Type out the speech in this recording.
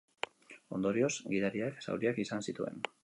Ondorioz, gidariak zauriak izan zituen.